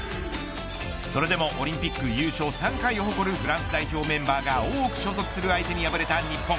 それでもオリンピック優勝３回を誇るフランス代表メンバーが多く所属する相手に敗れた日本。